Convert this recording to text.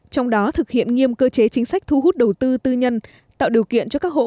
trong đó thực hiện nghiêm cơ chế chính sách thu hút đầu tư tư nhân tạo điều kiện cho các hộ